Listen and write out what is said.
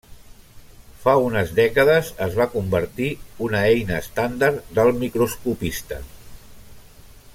Fa unes dècades es va convertir una eina estàndard del microscopista.